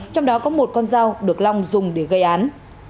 trong đó có một con dao được long dùng để gây án